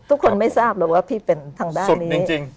ไม่ทราบหรอกว่าพี่เป็นทางด้านนี้